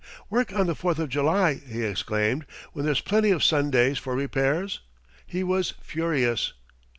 "Work on the Fourth of July!" he exclaimed, "when there's plenty of Sundays for repairs!" He was furious.